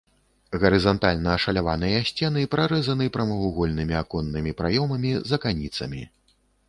Гарызантальна ашаляваныя сцены прарэзаны прамавугольнымі аконнымі праёмамі з аканіцамі.